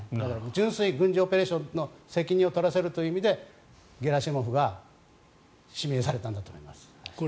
純粋に軍事オペレーションの責任を取らせる意味で、ゲラシモフが指名されたんだと思います。